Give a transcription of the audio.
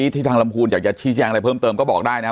ทางลำพูนอยากจะชี้แจงอะไรเพิ่มเติมก็บอกได้นะ